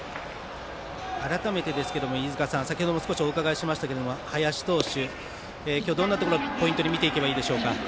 改めて、飯塚さん先ほども少しお伺いしましたけど林投手、今日、どんなところポイントに見ていけばいいでしょうか。